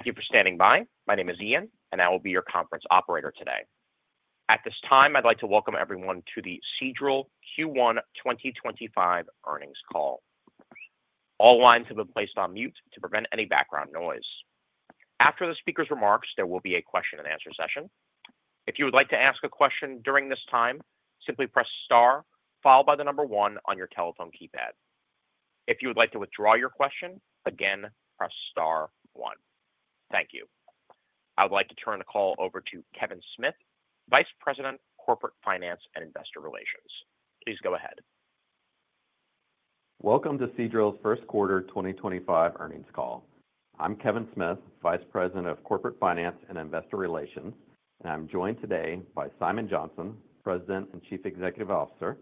Thank you for standing by. My name is Ian, and I will be your conference operator today. At this time, I'd like to welcome everyone to the Seadrill Q1 2025 earnings call. All lines have been placed on mute to prevent any background noise. After the speaker's remarks, there will be a question-and-answer session. If you would like to ask a question during this time, simply press star, followed by the number one on your telephone keypad. If you would like to withdraw your question, again, press star, one. Thank you. I would like to turn the call over to Kevin Smith, Vice President, Corporate Finance and Investor Relations. Please go ahead. Welcome to Seadrill's first quarter 2025 earnings call. I'm Kevin Smith, Vice President of Corporate Finance and Investor Relations, and I'm joined today by Simon Johnson, President and Chief Executive Officer;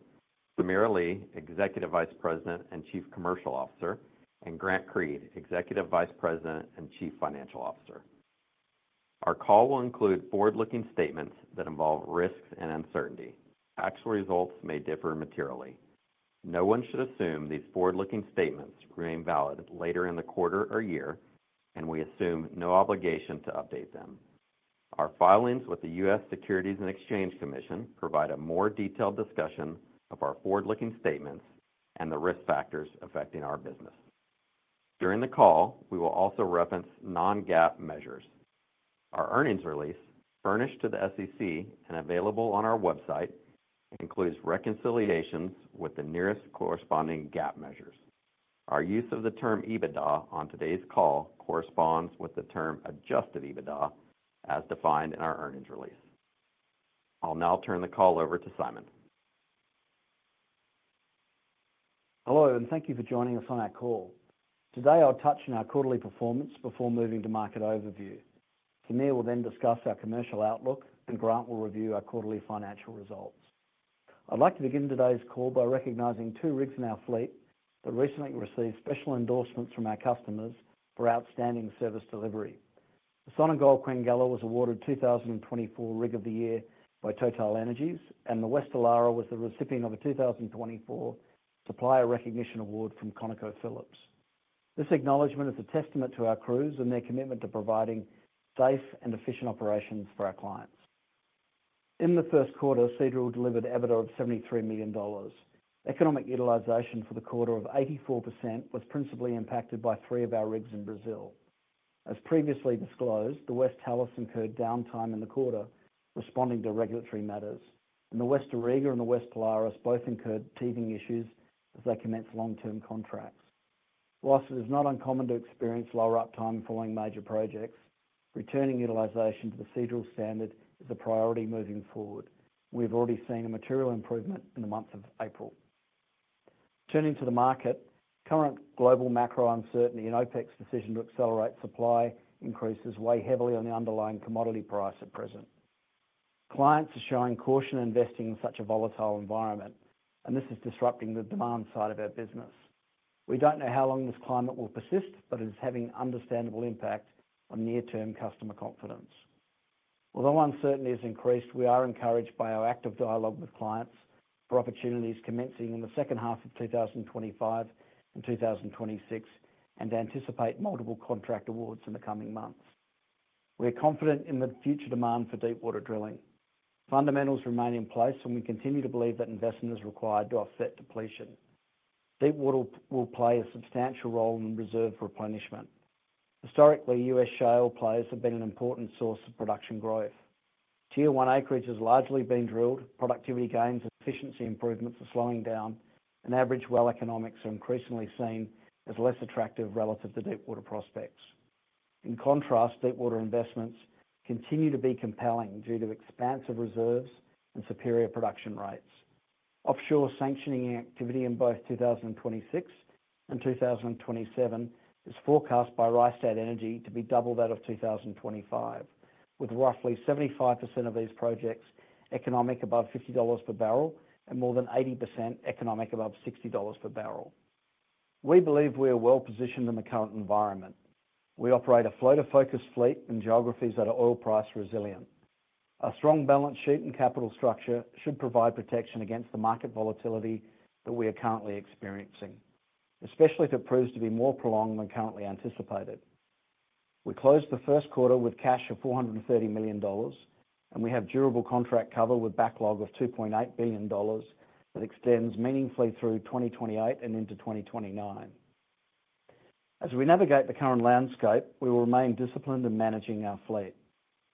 Samir Ali, Executive Vice President and Chief Commercial Officer; and Grant Creed, Executive Vice President and Chief Financial Officer. Our call will include forward-looking statements that involve risks and uncertainty. Actual results may differ materially. No one should assume these forward-looking statements remain valid later in the quarter or year, and we assume no obligation to update them. Our filings with the U.S. Securities and Exchange Commission provide a more detailed discussion of our forward-looking statements and the risk factors affecting our business. During the call, we will also reference non-GAAP measures. Our earnings release, furnished to the SEC and available on our website, includes reconciliations with the nearest corresponding GAAP measures. Our use of the term EBITDA on today's call corresponds with the term adjusted EBITDA, as defined in our earnings release. I'll now turn the call over to Simon. Hello, and thank you for joining us on our call. Today, I'll touch on our quarterly performance before moving to market overview. Samir will then discuss our commercial outlook, and Grant will review our quarterly financial results. I'd like to begin today's call by recognizing two rigs in our fleet that recently received special endorsements from our customers for outstanding service delivery. The Sonangol Queguengue was awarded 2024 Rig of the Year by TotalEnergies, and the West Elara was the recipient of a 2024 Supplier Recognition Award from ConocoPhillips. This acknowledgement is a testament to our crews and their commitment to providing safe and efficient operations for our clients. In the first quarter, Seadrill delivered EBITDA of $73 million. Economic utilization for the quarter of 84% was principally impacted by three of our rigs in Brazil. As previously disclosed, the West Talis incurred downtime in the quarter responding to regulatory matters, and the West Auriga and the West Elara both incurred teething issues as they commenced long-term contracts. Whilst it is not uncommon to experience lower uptime following major projects, returning utilization to the Seadrill standard is a priority moving forward, and we've already seen a material improvement in the month of April. Turning to the market, current global macro uncertainty and OPEC's decision to accelerate supply increases weigh heavily on the underlying commodity price at present. Clients are showing caution investing in such a volatile environment, and this is disrupting the demand side of our business. We don't know how long this climate will persist, but it is having an understandable impact on near-term customer confidence. Although uncertainty has increased, we are encouraged by our active dialogue with clients for opportunities commencing in the second half of 2025 and 2026 and anticipate multiple contract awards in the coming months. We are confident in the future demand for deep-water drilling. Fundamentals remain in place, and we continue to believe that investment is required to offset depletion. Deep water will play a substantial role in reserve replenishment. Historically, U.S. shale players have been an important source of production growth. Tier-one acreage has largely been drilled. Productivity gains and efficiency improvements are slowing down, and average well economics are increasingly seen as less attractive relative to deep-water prospects. In contrast, deep-water investments continue to be compelling due to expansive reserves and superior production rates. Offshore sanctioning activity in both 2026 and 2027 is forecast by Rystad Energy to be doubled out of 2025, with roughly 75% of these projects economic above $50 per barrel and more than 80% economic above $60 per barrel. We believe we are well positioned in the current environment. We operate a floater-focused fleet in geographies that are oil price resilient. Our strong balance sheet and capital structure should provide protection against the market volatility that we are currently experiencing, especially if it proves to be more prolonged than currently anticipated. We closed the first quarter with cash of $430 million, and we have durable contract cover with backlog of $2.8 billion that extends meaningfully through 2028 and into 2029. As we navigate the current landscape, we will remain disciplined in managing our fleet.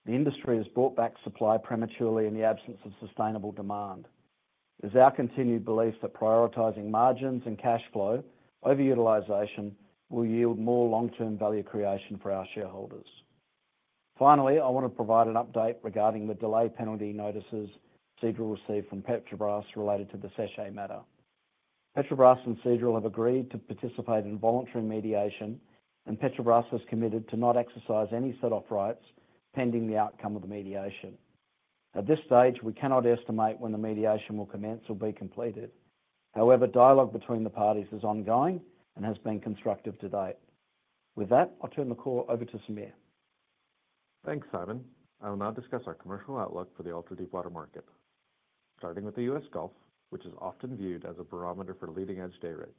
The industry has bought back supply prematurely in the absence of sustainable demand. It is our continued belief that prioritizing margins and cash flow, over-utilization will yield more long-term value creation for our shareholders. Finally, I want to provide an update regarding the delay penalty notices Seadrill received from Petrobras related to the Seshae matter. Petrobras and Seadrill have agreed to participate in voluntary mediation, and Petrobras has committed to not exercise any set-off rights pending the outcome of the mediation. At this stage, we cannot estimate when the mediation will commence or be completed. However, dialogue between the parties is ongoing and has been constructive to date. With that, I'll turn the call over to Samir. Thanks, Simon. I will now discuss our commercial outlook for the ultra-deep-water market. Starting with the US Gulf, which is often viewed as a barometer for leading-edge day rigs,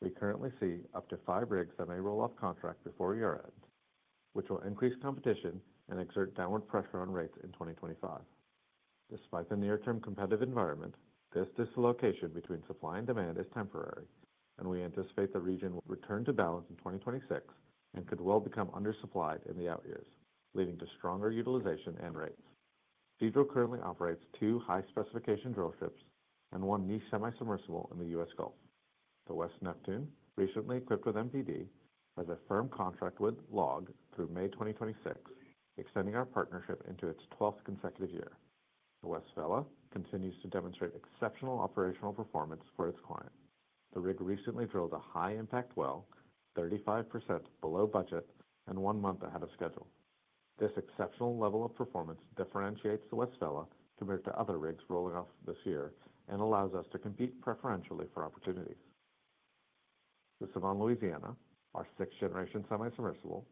we currently see up to five rigs that may roll off contract before year-end, which will increase competition and exert downward pressure on rates in 2025. Despite the near-term competitive environment, this dislocation between supply and demand is temporary, and we anticipate the region will return to balance in 2026 and could well become undersupplied in the out years, leading to stronger utilization and rates. Seadrill currently operates two high-specification drillships and one niche semi-submersible in the US Gulf. The West Neptune, recently equipped with MPD, has a firm contract with LLOG through May 2026, extending our partnership into its 12th consecutive year. The West Fella continues to demonstrate exceptional operational performance for its client. The rig recently drilled a high-impact well, 35% below budget and one month ahead of schedule. This exceptional level of performance differentiates the West Fella compared to other rigs rolling off this year and allows us to compete preferentially for opportunities. The West Louisiana, our sixth-generation semi-submersible,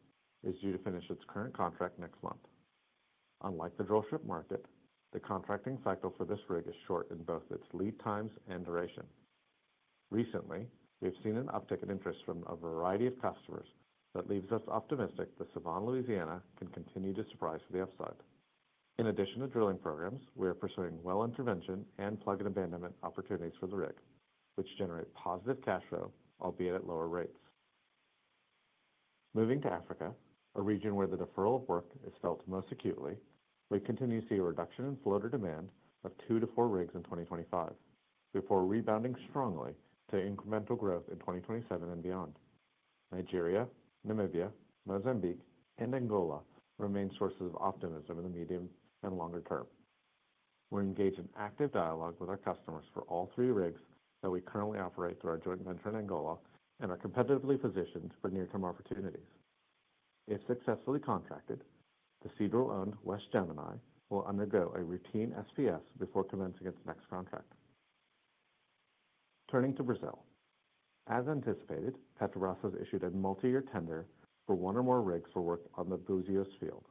is due to finish its current contract next month. Unlike the drillship market, the contracting cycle for this rig is short in both its lead times and duration. Recently, we have seen an uptick in interest from a variety of customers that leaves us optimistic the West Louisiana can continue to surprise to the upside. In addition to drilling programs, we are pursuing well intervention and plug and abandonment opportunities for the rig, which generate positive cash flow, albeit at lower rates. Moving to Africa, a region where the deferral of work is felt most acutely, we continue to see a reduction in floater demand of two to four rigs in 2025, before rebounding strongly to incremental growth in 2027 and beyond. Nigeria, Namibia, Mozambique, and Angola remain sources of optimism in the medium and longer term. We're engaged in active dialogue with our customers for all three rigs that we currently operate through our joint venture in Angola and are competitively positioned for near-term opportunities. If successfully contracted, the Seadrill-owned West Gemini will undergo a routine SPS before commencing its next contract. Turning to Brazil. As anticipated, Petrobras has issued a multi-year tender for one or more rigs for work on the Búzios field,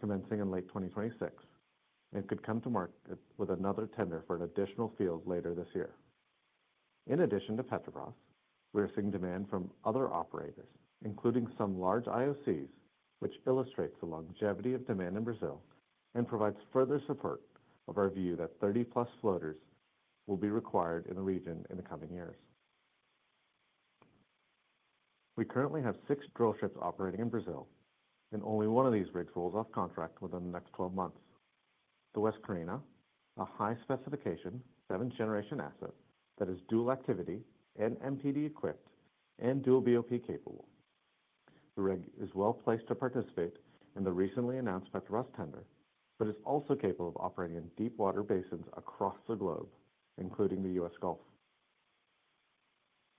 commencing in late 2026, and could come to market with another tender for an additional field later this year. In addition to Petrobras, we are seeing demand from other operators, including some large IOCs, which illustrates the longevity of demand in Brazil and provides further support of our view that 30-plus floaters will be required in the region in the coming years. We currently have six drillships operating in Brazil, and only one of these rigs rolls off contract within the next 12 months. The West Carina, a high-specification seventh-generation asset that is dual activity, MPD-equipped, and dual BOP capable. The rig is well placed to participate in the recently announced Petrobras tender, but is also capable of operating in deep-water basins across the globe, including the US Gulf.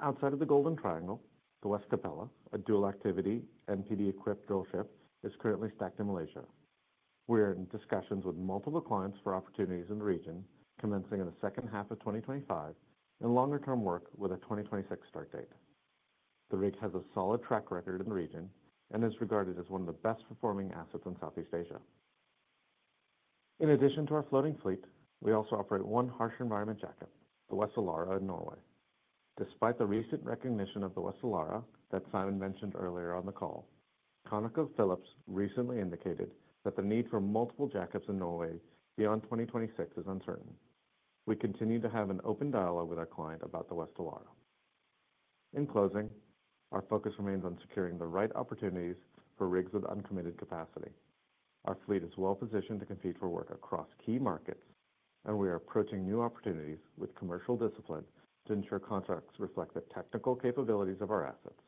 Outside of the Golden Triangle, the West Capella, a dual-activity MPD-equipped drillship, is currently stacked in Malaysia. We are in discussions with multiple clients for opportunities in the region, commencing in the second half of 2025, and longer-term work with a 2026 start date. The rig has a solid track record in the region and is regarded as one of the best-performing assets in Southeast Asia. In addition to our floating fleet, we also operate one harsh environment jacket, the West Elara in Norway. Despite the recent recognition of the West Elara that Simon mentioned earlier on the call, ConocoPhillips recently indicated that the need for multiple jackets in Norway beyond 2026 is uncertain. We continue to have an open dialogue with our client about the West Elara. In closing, our focus remains on securing the right opportunities for rigs with uncommitted capacity. Our fleet is well positioned to compete for work across key markets, and we are approaching new opportunities with commercial discipline to ensure contracts reflect the technical capabilities of our assets.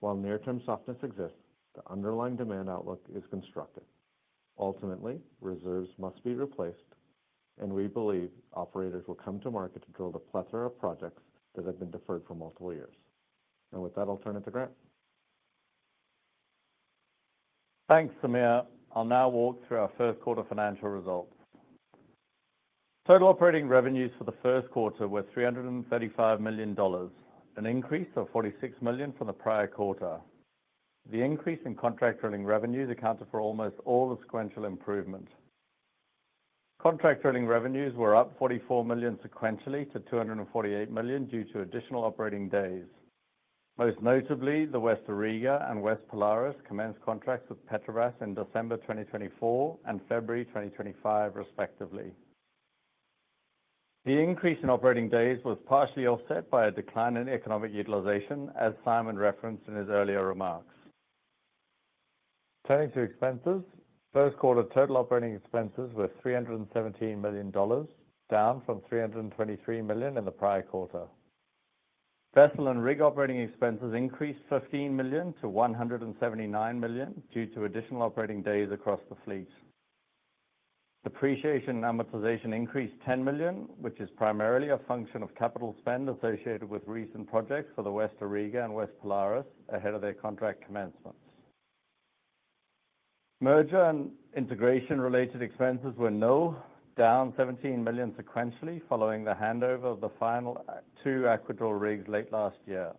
While near-term softness exists, the underlying demand outlook is constructive. Ultimately, reserves must be replaced, and we believe operators will come to market to drill the plethora of projects that have been deferred for multiple years. With that, I'll turn it to Grant. Thanks, Samir. I'll now walk through our first quarter financial results. Total operating revenues for the first quarter were $335 million, an increase of $46 million from the prior quarter. The increase in contract drilling revenues accounted for almost all the sequential improvement. Contract drilling revenues were up $44 million sequentially to $248 million due to additional operating days. Most notably, the West Auriga and West Pilares commenced contracts with Petrobras in December 2024 and February 2025, respectively. The increase in operating days was partially offset by a decline in economic utilization, as Simon referenced in his earlier remarks. Turning to expenses, first quarter total operating expenses were $317 million, down from $323 million in the prior quarter. Vessel and rig operating expenses increased $15 million to $179 million due to additional operating days across the fleet. Depreciation and amortization increased $10 million, which is primarily a function of capital spend associated with recent projects for the West Auriga and West Pilares ahead of their contract commencements. Merger and integration-related expenses were nil, down $17 million sequentially following the handover of the final two Aquadril rigs late last year.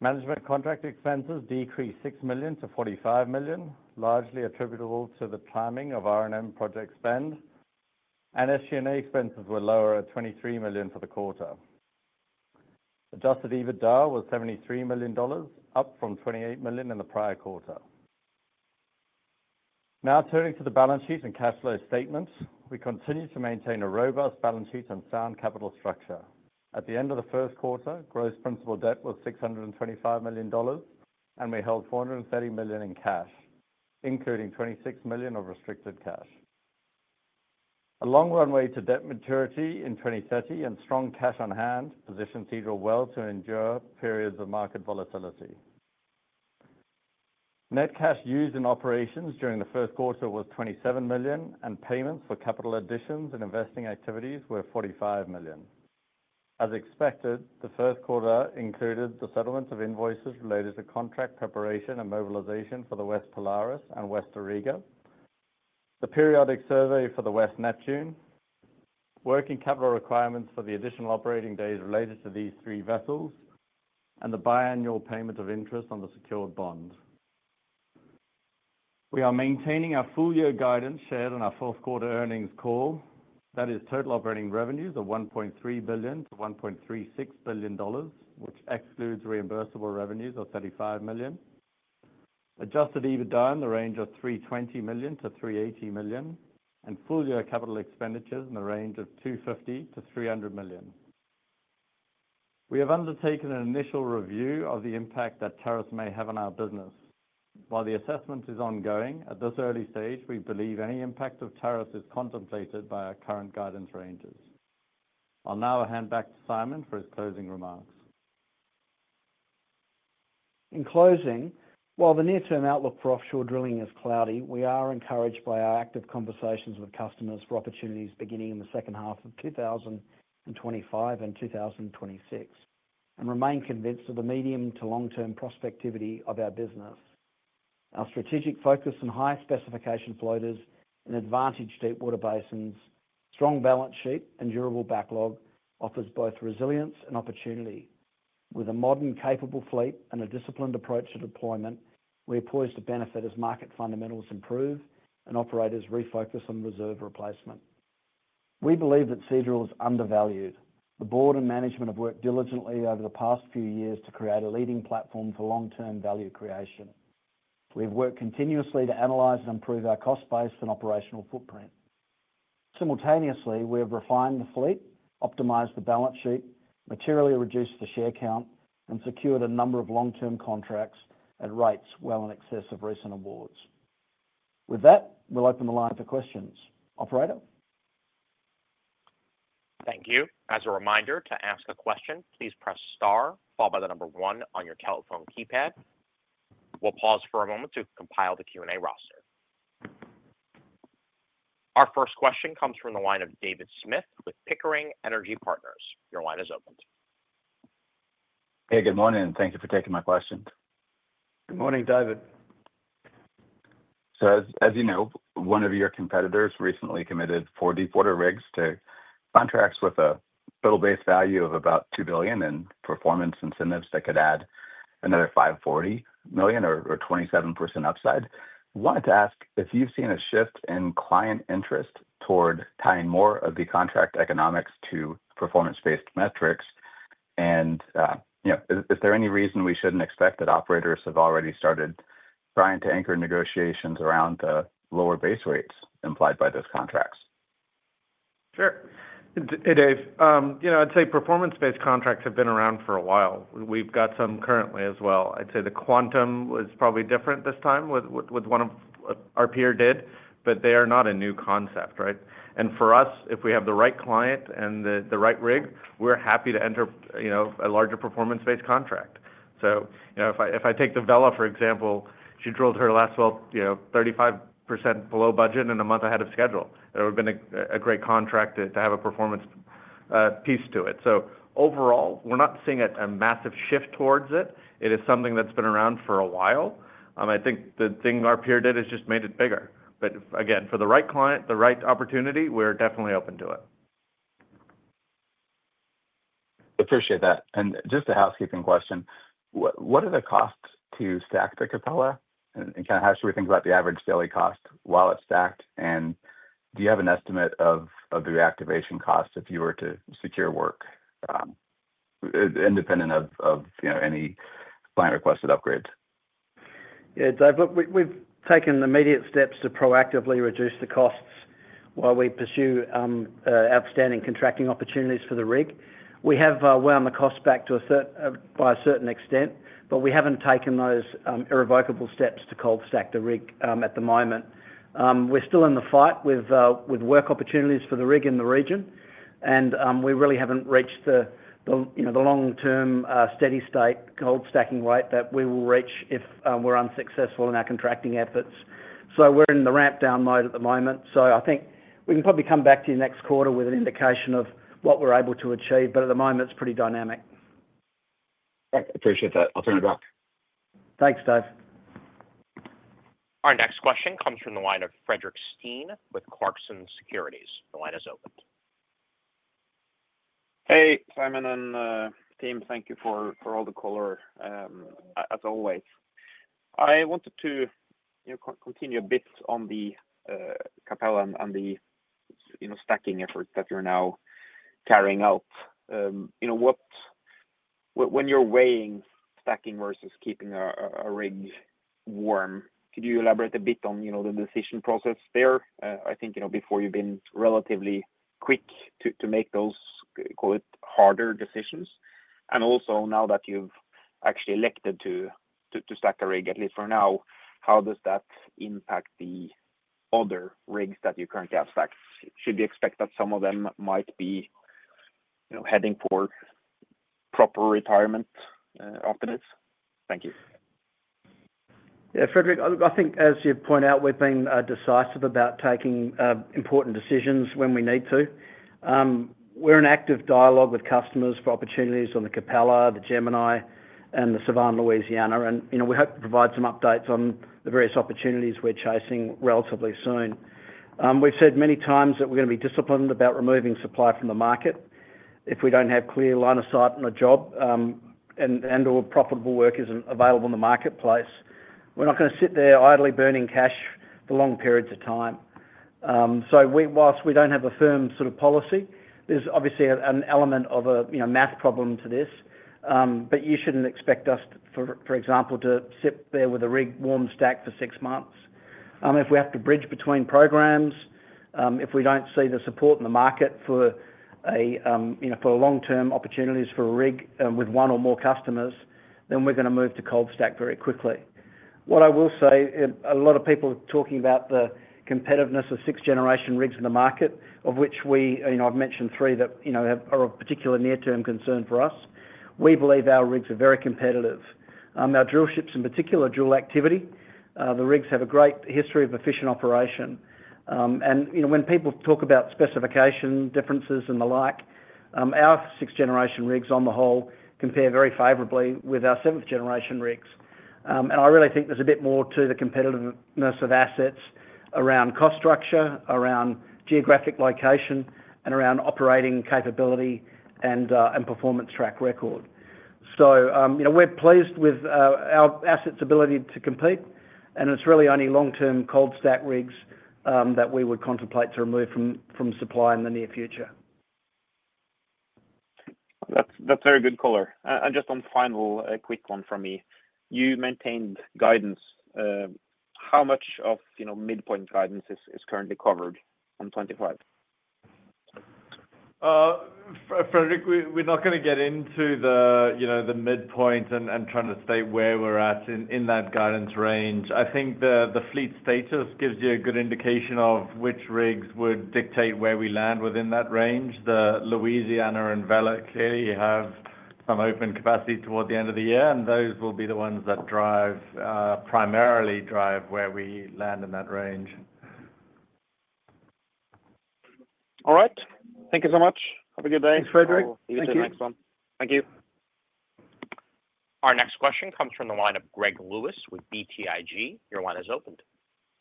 Management contract expenses decreased six million dollars to $45 million, largely attributable to the timing of R&M project spend, and SG&A expenses were lower at $23 million for the quarter. Adjusted EBITDA was $73 million, up from $28 million in the prior quarter. Now turning to the balance sheet and cash flow statement, we continue to maintain a robust balance sheet and sound capital structure. At the end of the first quarter, gross principal debt was $625 million, and we held $430 million in cash, including $26 million of restricted cash. A long runway to debt maturity in 2030 and strong cash on hand position Seadrill well to endure periods of market volatility. Net cash used in operations during the first quarter was $27 million, and payments for capital additions and investing activities were $45 million. As expected, the first quarter included the settlement of invoices related to contract preparation and mobilization for the West Pilares and West Auriga, the periodic survey for the West Neptune, working capital requirements for the additional operating days related to these three vessels, and the biannual payment of interest on the secured bond. We are maintaining our full-year guidance shared in our fourth quarter earnings call. That is total operating revenues of $1.3 billion-$1.36 billion, which excludes reimbursable revenues of $35 million. Adjusted EBITDA in the range of $320 million-$380 million, and full-year capital expenditures in the range of $250 million-$300 million. We have undertaken an initial review of the impact that tariffs may have on our business. While the assessment is ongoing, at this early stage, we believe any impact of tariffs is contemplated by our current guidance ranges. I'll now hand back to Simon for his closing remarks. In closing, while the near-term outlook for offshore drilling is cloudy, we are encouraged by our active conversations with customers for opportunities beginning in the second half of 2025 and 2026, and remain convinced of the medium to long-term prospectivity of our business. Our strategic focus on high-specification floaters in advantage deep-water basins, strong balance sheet, and durable backlog offers both resilience and opportunity. With a modern, capable fleet and a disciplined approach to deployment, we are poised to benefit as market fundamentals improve and operators refocus on reserve replacement. We believe that Seadrill is undervalued. The board and management have worked diligently over the past few years to create a leading platform for long-term value creation. We have worked continuously to analyze and improve our cost base and operational footprint. Simultaneously, we have refined the fleet, optimized the balance sheet, materially reduced the share count, and secured a number of long-term contracts at rates well in excess of recent awards. With that, we'll open the line for questions. Operator? Thank you. As a reminder, to ask a question, please press star, followed by the number one on your telephone keypad. We'll pause for a moment to compile the Q&A roster. Our first question comes from the line of David Smith with Pickering Energy Partners. Your line is opened. Hey, good morning, and thank you for taking my question. Good morning, David. As you know, one of your competitors recently committed four deep-water rigs to contracts with a total base value of about $2 billion and performance incentives that could add another $540 million or 27% upside. I wanted to ask if you've seen a shift in client interest toward tying more of the contract economics to performance-based metrics. Is there any reason we shouldn't expect that operators have already started trying to anchor negotiations around the lower base rates implied by those contracts? Sure. Hey, Dave. I'd say performance-based contracts have been around for a while. We've got some currently as well. I'd say the quantum was probably different this time, with what one of our peers did, but they are not a new concept, right? For us, if we have the right client and the right rig, we're happy to enter a larger performance-based contract. If I take the Vela, for example, she drilled her last well 35% below budget and a month ahead of schedule. That would have been a great contract to have a performance piece to it. Overall, we're not seeing a massive shift towards it. It is something that's been around for a while. I think the thing our peer did is just made it bigger. Again, for the right client, the right opportunity, we're definitely open to it. Appreciate that. Just a housekeeping question. What are the costs to stack the Capella? How should we think about the average daily cost while it's stacked? Do you have an estimate of the reactivation cost if you were to secure work, independent of any client-requested upgrades? Yeah, Dave, we've taken immediate steps to proactively reduce the costs while we pursue outstanding contracting opportunities for the rig. We have wound the cost back by a certain extent, but we haven't taken those irrevocable steps to cold-stack the rig at the moment. We're still in the fight with work opportunities for the rig in the region, and we really haven't reached the long-term steady-state cold-stacking rate that we will reach if we're unsuccessful in our contracting efforts. We're in the ramp-down mode at the moment. I think we can probably come back to you next quarter with an indication of what we're able to achieve, but at the moment, it's pretty dynamic. Appreciate that. I'll turn it back. Thanks, Dave. Our next question comes from the line of Fredrik Stene with Clarksons Securities. The line is open. Hey, Simon and team, thank you for all the color, as always. I wanted to continue a bit on the Capella and the stacking efforts that you're now carrying out. When you're weighing stacking versus keeping a rig warm, could you elaborate a bit on the decision process there? I think before you've been relatively quick to make those, call it, harder decisions. Also, now that you've actually elected to stack a rig, at least for now, how does that impact the other rigs that you currently have stacked? Should we expect that some of them might be heading for proper retirement after this? Thank you. Yeah, Frederick, I think, as you point out, we've been decisive about taking important decisions when we need to. We're in active dialogue with customers for opportunities on the Capella, the Gemini, and the Savannah, Louisiana. We hope to provide some updates on the various opportunities we're chasing relatively soon. We've said many times that we're going to be disciplined about removing supply from the market if we don't have clear line of sight on a job and/or profitable workers available in the marketplace. We're not going to sit there idly burning cash for long periods of time. Whilst we don't have a firm sort of policy, there's obviously an element of a math problem to this. You shouldn't expect us, for example, to sit there with a rig warm stacked for six months. If we have to bridge between programs, if we do not see the support in the market for long-term opportunities for a rig with one or more customers, then we are going to move to cold-stack very quickly. What I will say, a lot of people are talking about the competitiveness of sixth-generation rigs in the market, of which I have mentioned three that are of particular near-term concern for us. We believe our rigs are very competitive. Our drillships, in particular, drill activity. The rigs have a great history of efficient operation. When people talk about specification differences and the like, our sixth-generation rigs on the whole compare very favorably with our seventh-generation rigs. I really think there is a bit more to the competitiveness of assets around cost structure, around geographic location, and around operating capability and performance track record. We're pleased with our assets' ability to compete, and it's really only long-term cold-stack rigs that we would contemplate to remove from supply in the near future. That's very good color. Just one final quick one from me. You maintained guidance. How much of midpoint guidance is currently covered on 25? Frederick, we're not going to get into the midpoint and trying to state where we're at in that guidance range. I think the fleet status gives you a good indication of which rigs would dictate where we land within that range. The West Louisiana and West Vela clearly have some open capacity toward the end of the year, and those will be the ones that primarily drive where we land in that range. All right. Thank you so much. Have a good day. Thanks, Frederick. You too. See you at the next one. Thank you. Our next question comes from the line of Greg Lewis with BTIG. Your line is opened.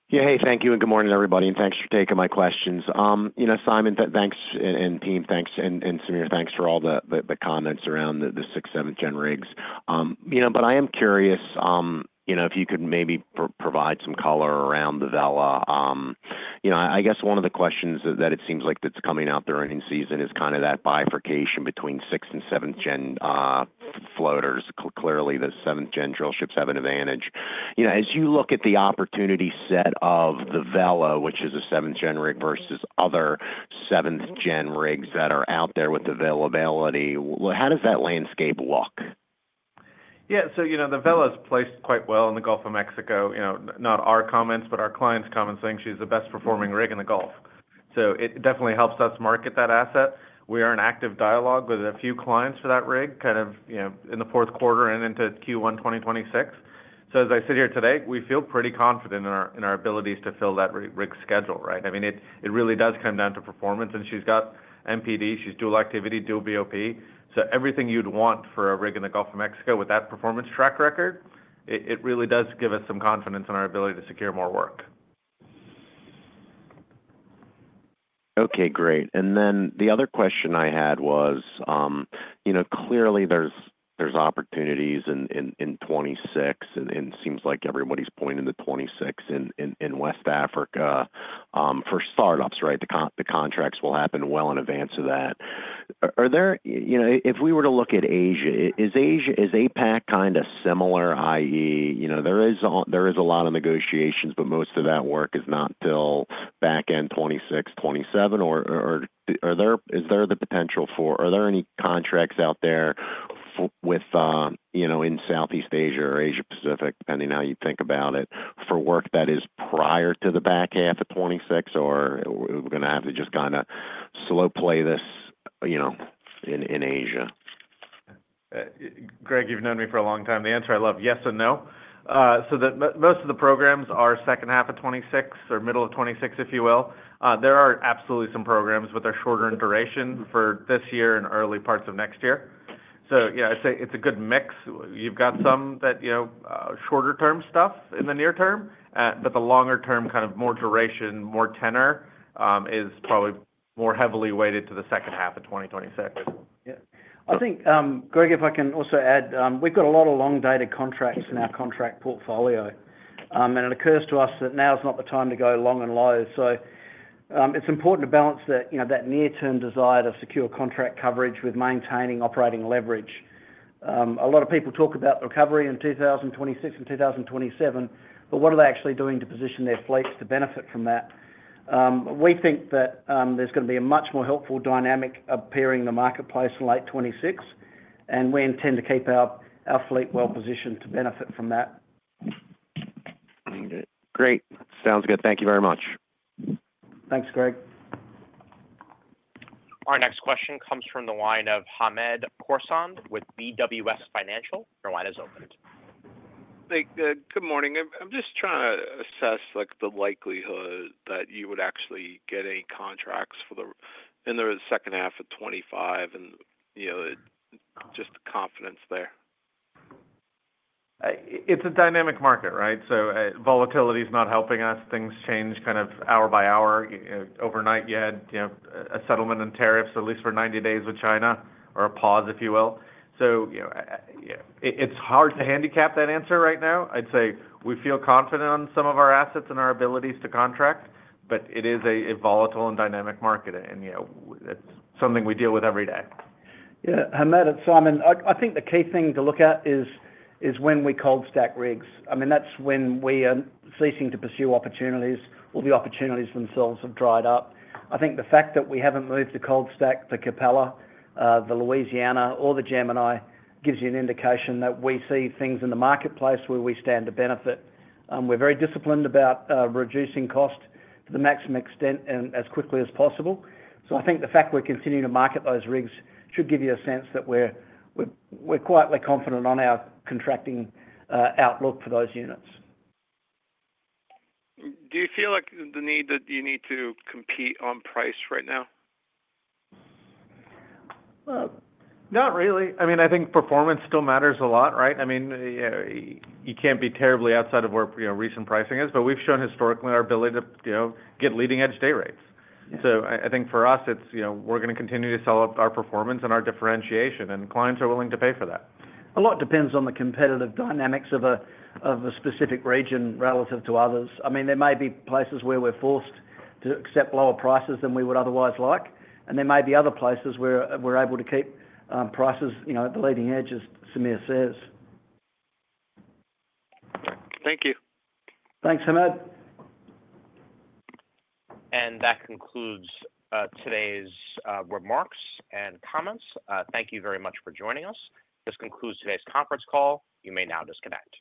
Yeah, hey, thank you, and good morning, everybody, and thanks for taking my questions. Simon, thanks, and team, thanks, and Samir, thanks for all the comments around the sixth, seventh-gen rigs. I am curious if you could maybe provide some color around the Vela. I guess one of the questions that it seems like that's coming out the earning season is kind of that bifurcation between sixth and seventh-gen floaters. Clearly, the seventh-gen drill ships have an advantage. As you look at the opportunity set of the Vela, which is a seventh-gen rig versus other seventh-gen rigs that are out there with availability, how does that landscape look? Yeah, so the Vela is placed quite well in the Gulf of Mexico. Not our comments, but our client's comments saying she's the best-performing rig in the Gulf. It definitely helps us market that asset. We are in active dialogue with a few clients for that rig kind of in the fourth quarter and into Q1 2026. As I sit here today, we feel pretty confident in our abilities to fill that rig schedule, right? I mean, it really does come down to performance, and she's got MPD. She's dual activity, dual BOP. Everything you'd want for a rig in the Gulf of Mexico with that performance track record, it really does give us some confidence in our ability to secure more work. Okay, great. The other question I had was, clearly, there's opportunities in 2026, and it seems like everybody's pointing to 2026 in West Africa for startups, right? The contracts will happen well in advance of that. If we were to look at Asia, is APAC kind of similar, i.e., there is a lot of negotiations, but most of that work is not till back end 2026, 2027? Or is there the potential for, are there any contracts out there in Southeast Asia or Asia-Pacific, depending on how you think about it, for work that is prior to the back half of 2026, or are we going to have to just kind of slow play this in Asia? Greg, you've known me for a long time. The answer I love, yes and no. Most of the programs are second half of 2026 or middle of 2026, if you will. There are absolutely some programs, but they're shorter in duration for this year and early parts of next year. I'd say it's a good mix. You've got some that are shorter-term stuff in the near term, but the longer-term, kind of more duration, more tenor is probably more heavily weighted to the second half of 2026. Yeah. I think, Greg, if I can also add, we've got a lot of long-dated contracts in our contract portfolio, and it occurs to us that now is not the time to go long and low. It's important to balance that near-term desire to secure contract coverage with maintaining operating leverage. A lot of people talk about recovery in 2026 and 2027, but what are they actually doing to position their fleets to benefit from that? We think that there's going to be a much more helpful dynamic appearing in the marketplace in late 2026, and we intend to keep our fleet well-positioned to benefit from that. Great. Sounds good. Thank you very much. Thanks, Greg. Our next question comes from the line of Hamed Khorsand with BWS Financial. Your line is opened. Hey, good morning. I'm just trying to assess the likelihood that you would actually get any contracts in the second half of 2025 and just the confidence there. It's a dynamic market, right? Volatility is not helping us. Things change kind of hour by hour. Overnight, you had a settlement in tariffs, at least for 90 days with China, or a pause, if you will. It's hard to handicap that answer right now. I'd say we feel confident on some of our assets and our abilities to contract, but it is a volatile and dynamic market, and it's something we deal with every day. Yeah. Hamed and Simon, I think the key thing to look at is when we cold-stack rigs. I mean, that's when we are ceasing to pursue opportunities or the opportunities themselves have dried up. I think the fact that we haven't moved to cold-stack the Capella, the Louisiana, or the Gemini gives you an indication that we see things in the marketplace where we stand to benefit. We're very disciplined about reducing cost to the maximum extent and as quickly as possible. I think the fact we're continuing to market those rigs should give you a sense that we're quietly confident on our contracting outlook for those units. Do you feel like you need to compete on price right now? Not really. I mean, I think performance still matters a lot, right? I mean, you can't be terribly outside of where recent pricing is, but we've shown historically our ability to get leading-edge day rates. I think for us, we're going to continue to sell up our performance and our differentiation, and clients are willing to pay for that. A lot depends on the competitive dynamics of a specific region relative to others. I mean, there may be places where we're forced to accept lower prices than we would otherwise like, and there may be other places where we're able to keep prices at the leading edge, as Samir says. Thank you. Thanks, Hamed. That concludes today's remarks and comments. Thank you very much for joining us. This concludes today's conference call. You may now disconnect.